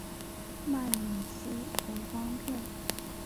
卖隐私得方便